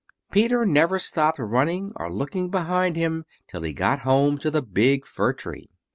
Peter never stopped running or looked behind him till he got home to the big fir tree.